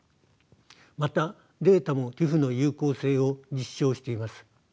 またデータもＴＩＰＨの有効性を実証しています。